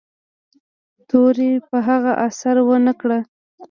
تورې په هغه اثر و نه کړ.